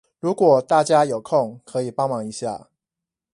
如果大家有空可以幫忙一下